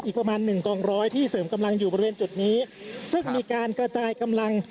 ประมาณหนึ่งกองร้อยที่เสริมกำลังอยู่บริเวณจุดนี้ซึ่งมีการกระจายกำลัง